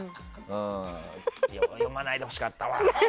読まないでほしかったわ。